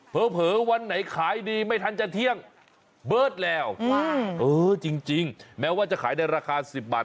เผลอวันไหนขายดีไม่ทันจะเที่ยงเบิร์ดแล้วจริงแม้ว่าจะขายในราคา๑๐บาท